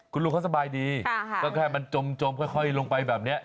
คุณลุงเขาสบายดีก็แค่มันจมค่อยลงไปแบบนี้